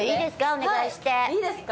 お願いしていいですか？